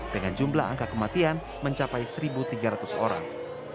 dengan jumlah angka kematian mencapai satu tiga ratus orang